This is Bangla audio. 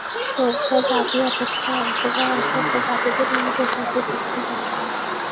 সভ্য জাতি অপেক্ষা অজ্ঞ বা অসভ্য জাতিদের ইন্দ্রিয়শক্তি তীক্ষ্ণতর।